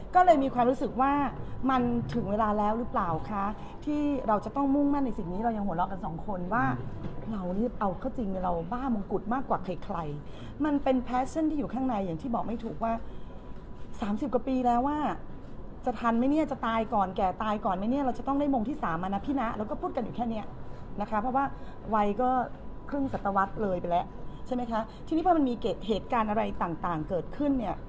ก็เลยมีความรู้สึกว่ามันถึงเวลาแล้วหรือเปล่าคะที่เราจะต้องมุ่งมั่นในสิ่งนี้เรายังหัวเราะกันสองคนว่าเรานี่เอาเข้าจริงเราบ้ามงกุฎมากกว่าเคยใครมันเป็นแพชชั่นที่อยู่ข้างในอย่างที่บอกไม่ถูกว่าสามสิบกว่าปีแล้วว่าจะทันไหมเนี่ยจะตายก่อนแก่ตายก่อนไหมเนี่ยเราจะต้องได้มงที่สามมานะพี่นะเราก็พูดกันอยู่